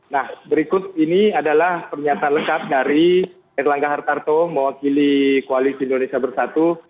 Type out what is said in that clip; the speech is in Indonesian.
nah berikut ini adalah pernyataan lengkap dari erlangga hartarto mewakili koalisi indonesia bersatu